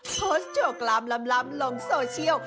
โพสต์โจ๊กล้ามล้ำลงโซเชียล